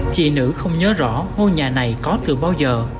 chị nữ không nhớ rõ ngôi nhà này có từ bao giờ